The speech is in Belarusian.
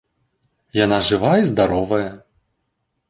Яна жыва і здаровая.